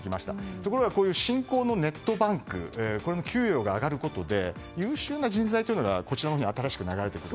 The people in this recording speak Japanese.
ところが、新興のネットバンクこれの給与が上がることで優秀な人材がこちらに新しく流れてくる。